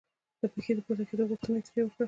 د پښې د پورته کېدو غوښتنه یې ترې وکړه.